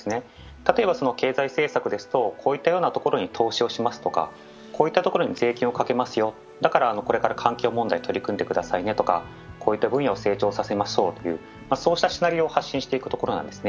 例えば、経済政策ですと、こういったところに投資をしますとか、こういったところに税金をかけますよ、だからこれから環境問題に取り組んでくださいねとか、こういった分野を成長させましょうというシナリオを発信していくところなんですね。